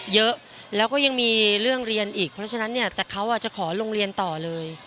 เยอะแล้วก็ยังมีเรื่องเรียนอีกเพราะฉะนั้นเนี่ยแต่เขาจะขอโรงเรียนต่อเลย